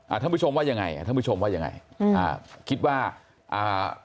ท่านผู้ชมว่ายังไงอ่ะท่านผู้ชมว่ายังไงอืมอ่าคิดว่าอ่า